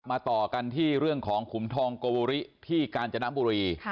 ต่อกันที่เรื่องของขุมทองโกวริที่กาญจนบุรี